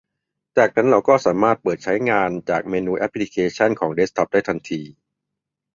จากนั้นเราก็สามารถเปิดใช้งานจากเมนูแอปพลิเคชันของเดสก์ท็อปได้ทันที